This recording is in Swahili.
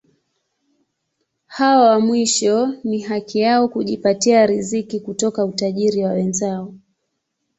Hao wa mwisho ni haki yao kujipatia riziki kutoka utajiri wa wenzao.